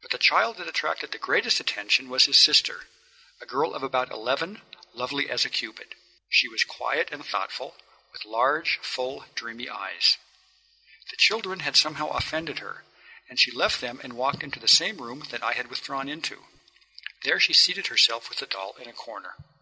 But the child that attracted the greatest attention was his sister, a girl of about eleven, lovely as a Cupid. She was quiet and thoughtful, with large, full, dreamy eyes. The children had somehow offended her, and she left them and walked into the same room that I had withdrawn into. There she seated herself with her doll in a corner.